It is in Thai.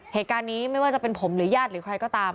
เหตุการณ์นี้ไม่ว่าจะเป็นผมหรือญาติหรือใครก็ตาม